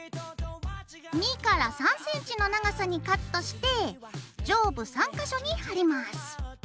２３ｃｍの長さにカットして上部３か所に貼ります。